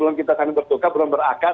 belum kita bertukar belum berakat